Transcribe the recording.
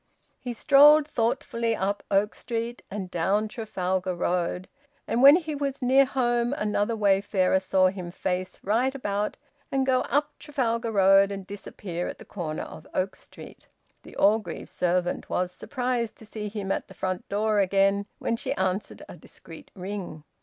He strolled thoughtfully up Oak Street, and down Trafalgar Road; and when he was near home, another wayfarer saw him face right about and go up Trafalgar Road and disappear at the corner of Oak Street. The Orgreave servant was surprised to see him at the front door again when she answered a discreet ring.